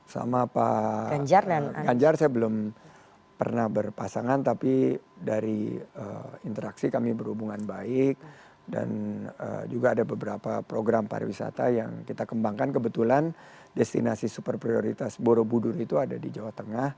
sama pak ganjar saya belum pernah berpasangan tapi dari interaksi kami berhubungan baik dan juga ada beberapa program pariwisata yang kita kembangkan kebetulan destinasi super prioritas borobudur itu ada di jawa tengah